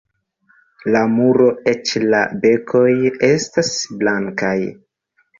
La muro, eĉ la benkoj estas blankaj.